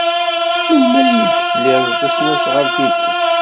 Melmi ay teklid tasnasɣalt-nnek?